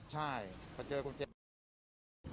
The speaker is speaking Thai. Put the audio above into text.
ใช่เขาเจอคุณเจมส์